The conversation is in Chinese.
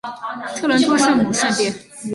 特伦托圣母圣殿。